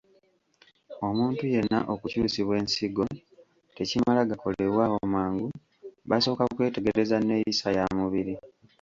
Omuntu yenna okukyusibwa ensigo tekimala gakolebwa awo mangu basooka kwetegereza nneeyisa ya mubiri.